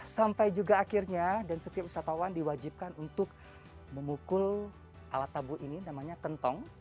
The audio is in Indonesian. sampai juga akhirnya dan setiap wisatawan diwajibkan untuk memukul alat tabu ini namanya kentong